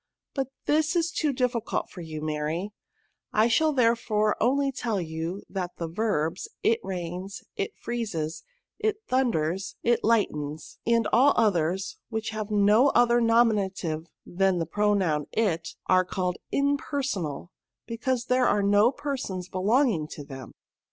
But this is too difficult for you, Mary ; I shall therefore only tell you, that the verbs, it rainSf it freezes, it thunders^ it lightens, and all others, which have no other nomi native than the pronoun it, are called imper sonal, because there are no persons belonging to them."